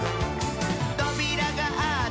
「とびらがあったら」